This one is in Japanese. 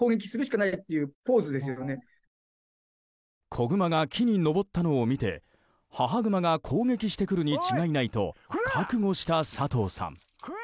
子グマが木に登ったのを見て母クマが攻撃してくるに違いないと、覚悟した佐藤さん。